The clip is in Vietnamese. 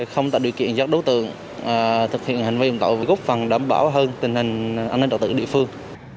không tạo điều kiện giác đối tượng thực hiện hành vi công tạo góp phần đảm bảo hơn tình hình an ninh đạo tự địa phương